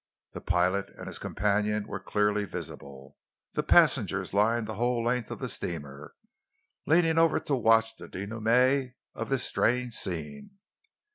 The pilot and his companion were clearly visible. The passengers lined the whole length of the steamer, leaning over to watch the dénouement of this strange scene.